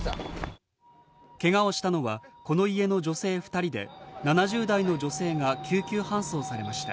けがをしたのは、この家の女性２人で、７０代の女性が救急搬送されました。